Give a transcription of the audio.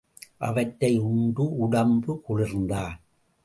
அவற்றை உண்டு உடம்பு குளிர்ந்தான்.